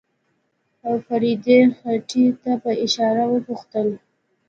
د فريدې خېټې ته په اشاره وپوښتل.